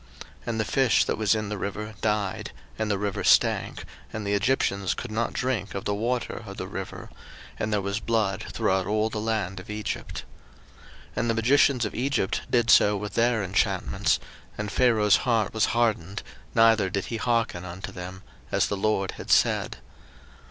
02:007:021 And the fish that was in the river died; and the river stank, and the Egyptians could not drink of the water of the river; and there was blood throughout all the land of Egypt. 02:007:022 And the magicians of Egypt did so with their enchantments: and Pharaoh's heart was hardened, neither did he hearken unto them; as the LORD had said.